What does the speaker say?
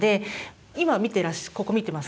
今見てここ見てます？